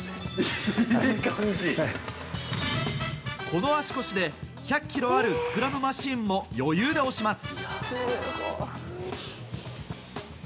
この足腰で１００ｋｇあるスクラムマシンも余裕で押します。